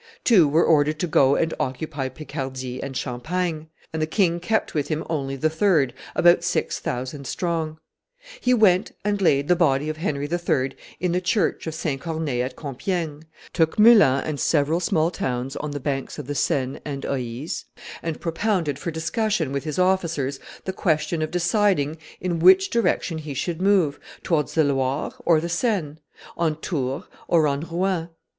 Two were ordered to go and occupy Picardy and Champagne; and the king kept with him only the third, about six thousand strong. He went and laid the body of Henry III. in the church of St. Corneille at Compiegne, took Meulan and several small towns on the banks of the Seine and Oise, and propounded for discussion with his officers the question of deciding in which direction he should move, towards the Loire or the Seine, on Tours or on Rouen.